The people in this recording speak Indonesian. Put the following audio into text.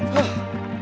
lo sudah nunggu